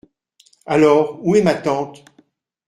Alors, où est ma tante ?